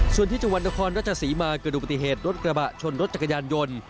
ส่วนที่จังหวัดนครราชศรีมาเกิดดูปฏิเหตุรถกระบะชนรถจักรยานยนต์